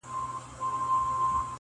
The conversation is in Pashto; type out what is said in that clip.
نه د ډیک غریب زړګی ورنه صبرېږي-